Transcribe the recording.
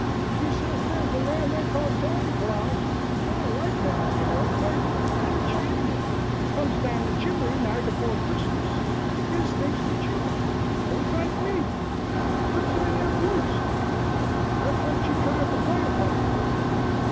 She sez thar's a man they call Sandy Claws, not a white man, you know, but a kind o' Chinemin, comes down the chimbley night afore Chrismiss and gives things to chillern, boys like me. Puts 'em in their butes! Thet's what she tried to play upon me.